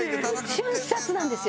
瞬殺なんですよ。